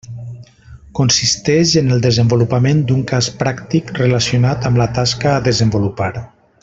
Consisteix en el desenvolupament d'un cas pràctic relacionat amb la tasca a desenvolupar.